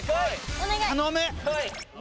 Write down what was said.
お願い！